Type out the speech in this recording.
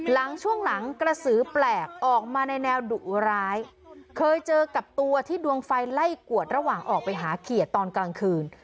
หลังช่วงหลังกระสือแปลกออกมาในแนวดุร้ายเคยเจอกับตัวที่ดวงไฟไล่กวดระหว่างออกไปหาเขียดตอนกลางคืน